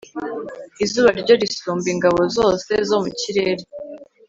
izuba ryo risumba ingabo zose zo mu kirere